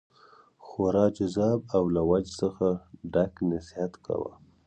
خورا جذاب او له وجد څخه ډک نصیحت کاوه.